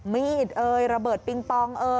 มีดระเบิดปลิงปอง